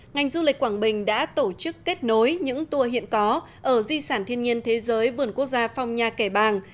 ngành du lịch quảng bình đã tổ chức kết nối những tour hiện có ở di sản thiên nhiên thế giới vườn quốc gia phong nha kẻ bàng